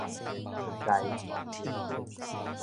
騃錢